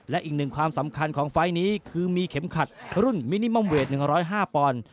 และอีกหนึ่งความสำคัญของไฟล์นี้คือมีเข็มขัดรุ่นมินิมอมเวท๑๐๕ปอนด์